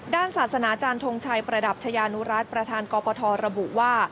ด้านศาสนาอาจารย์ทงชัยประดับชายานุรัติประธานกปทระบุว่า